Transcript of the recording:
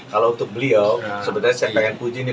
kalau untuk beliau sebenarnya saya ingin puji